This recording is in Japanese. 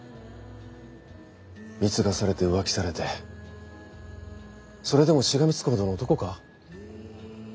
貢がされて浮気されてそれでもしがみつくほどの男か？